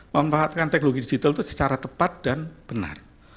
memanfaatkan teknologi digital itu secara tepat dan benar